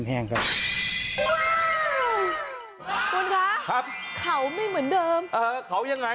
ปีนไปแบบไหนเขาหง่อน